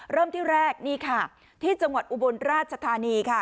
เริ่มที่แรกนี่ค่ะที่จังหวัดอุบลราชธานีค่ะ